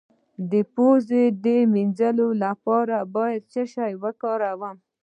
د پوزې د مینځلو لپاره باید څه شی وکاروم؟